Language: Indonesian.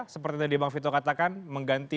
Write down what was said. seperti tadi bang vito katakan mengganti